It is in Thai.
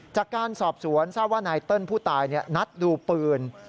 จากการสอบสวนทราบว่านายเติ้ลผู้ตายนัดดูปืน